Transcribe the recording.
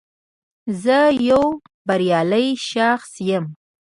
زه یو بریالی شخص یم